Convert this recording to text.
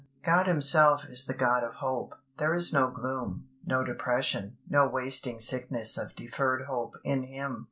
God Himself is "the God of hope." There is no gloom, no depression, no wasting sickness of deferred hope in Him.